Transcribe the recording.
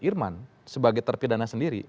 irman sebagai terpidana sendiri